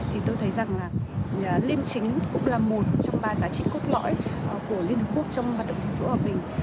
thì tôi thấy rằng liêm chính cũng là một trong ba giá trị cốt lõi của liên hợp quốc trong hoạt động chiến giữa hòa bình